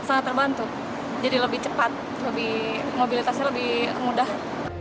sangat terbantu jadi lebih cepat mobilitasnya lebih mudah